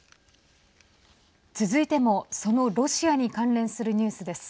続いても、そのロシアに関連するニュースです。